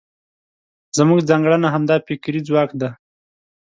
زموږ ځانګړنه همدا فکري ځواک دی.